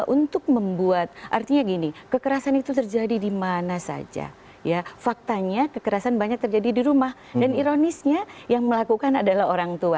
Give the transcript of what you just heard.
untuk membuat artinya gini kekerasan itu terjadi dimana saja ya faktanya kekerasan banyak terjadi di rumah dan ironisnya yang melakukan adalah orang tua